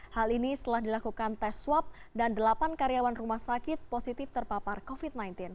hal ini setelah dilakukan tes swab dan delapan karyawan rumah sakit positif terpapar covid sembilan belas